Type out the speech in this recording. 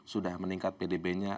sudah meningkat pdb nya